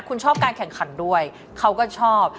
คุณชอบการแข่งขันด้วยเขาก็ชอบ